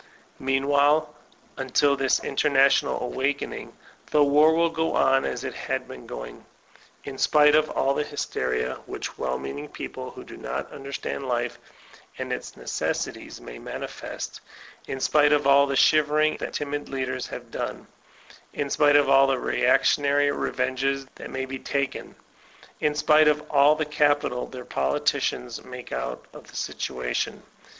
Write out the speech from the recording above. Meanwhile, until this international awakening, (he war will go on as it has been going, in spite of all the hysteria which well meaning people, who do not understand life and its necessities, may manifest; in spite of all the shivering that timid leaders have done; in spite of all the reactionary revenges that may be taken; in spite of all the capital politicians make out of the situation.